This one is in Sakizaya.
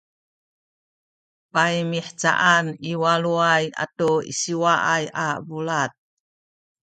paymihcaan i waluay atu siwaay a bulad